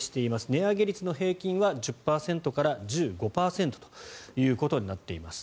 値上げ率の平均は１０％から１５％ということになっています。